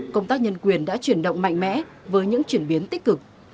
công tác nhân quyền đã chuyển động mạnh mẽ với những chuyển biến tích cực